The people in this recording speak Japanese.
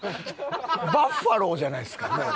バッファローじゃないですかもう。